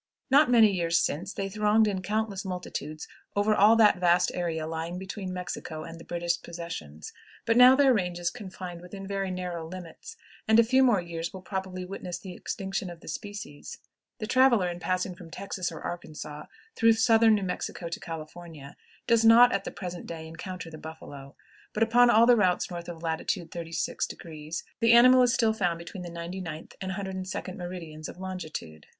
Not many years since they thronged in countless multitudes over all that vast area lying between Mexico and the British possessions, but now their range is confined within very narrow limits, and a few more years will probably witness the extinction of the species. The traveler, in passing from Texas or Arkansas through southern New Mexico to California, does not, at the present day, encounter the buffalo; but upon all the routes north of latitude 36° the animal is still found between the 99th and 102d meridians of longitude.